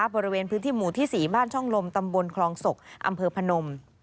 บริเวณพื้นที่หมู่ที่๔บ้านช่องลมตำบลคลองศกอำเภอพนม